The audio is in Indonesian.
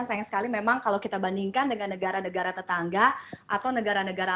sayang sekali memang kalau kita bandingkan dengan negara negara tetangga atau negara negara